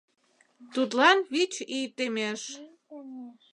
Тудлан вич ий темеш